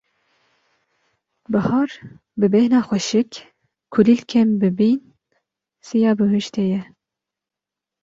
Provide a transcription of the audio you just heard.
Bihar; bi bêhna xweşik, kulîlkên bibîn, siya bihuştê ye.